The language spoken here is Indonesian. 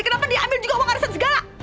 kenapa dia ambil juga uang arisan segala